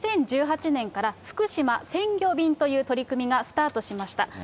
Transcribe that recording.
２０１８年から福島鮮魚便という取り組みがスタートしました。